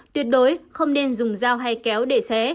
tuyệt đối không nên dùng dao hay kéo để xé